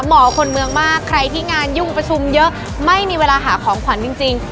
เหมาะคนเมืองมากใครที่งานยุ่งประชุมเยอะไม่มีเวลาหาของขวัญจริง